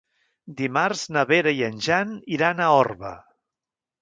Dimarts na Vera i en Jan iran a Orba.